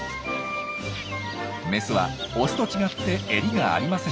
メスはオスと違ってエリがありません。